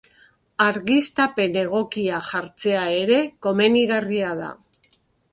Argiztapen egokia jartzea ere komenigarria da.